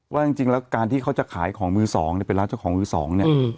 ว่าจริงแล้วการที่เขาจะขายของมือสองเนี่ยเป็นร้านเจ้าของมือสองเนี่ย